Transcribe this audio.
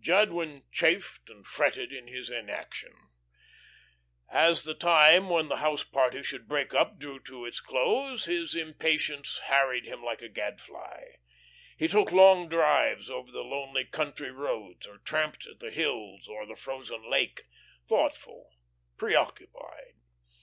Jadwin chafed and fretted in his inaction. As the time when the house party should break up drew to its close, his impatience harried him like a gadfly. He took long drives over the lonely country roads, or tramped the hills or the frozen lake, thoughtful, preoccupied.